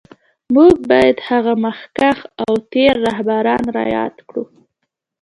موږ باید هغه مخکښ او تېر رهبران را یاد کړو